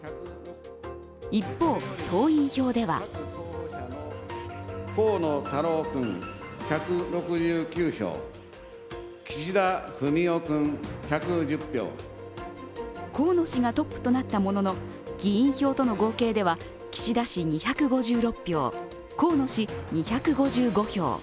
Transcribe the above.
一方、党員票では河野氏がトップとなったものの議員票との合計では岸田氏２５６票、河野氏２５５票。